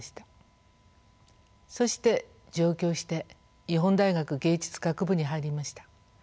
そして上京して日本大学藝術学部に入りました。